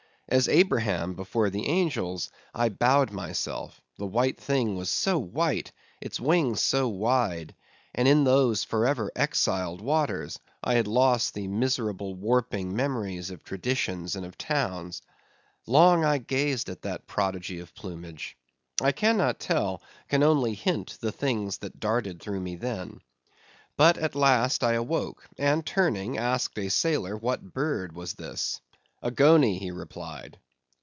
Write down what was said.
As Abraham before the angels, I bowed myself; the white thing was so white, its wings so wide, and in those for ever exiled waters, I had lost the miserable warping memories of traditions and of towns. Long I gazed at that prodigy of plumage. I cannot tell, can only hint, the things that darted through me then. But at last I awoke; and turning, asked a sailor what bird was this. A goney, he replied.